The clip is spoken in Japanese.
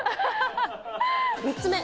３つ目。